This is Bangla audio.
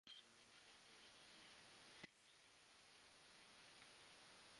ভারতের সহকারী হাইকমিশনার সন্দীপ মিত্র বলেছেন, ব্যবসাসংক্রান্ত ভারতীয় ভিসাপ্রক্রিয়া সহজ করা হয়েছে।